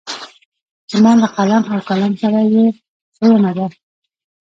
زما له قلم او کلام سره یې څویمه ده.